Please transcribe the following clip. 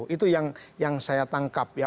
itu yang saya tangkap ya